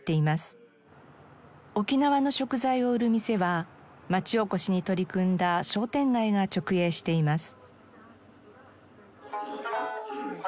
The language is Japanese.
沖縄の食材を売る店は町おこしに取り組んだ商店街が直営しています。